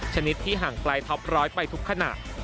ชนิดที่ห่างไกลท็อปร้อยไปทุกขณะ